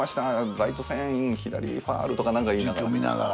ライト線左ファウルとかなんか言いながら。